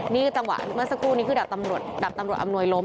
นี่จังหวะเมื่อสักครู่นี้คือดับตำรวจอำนวยล้ม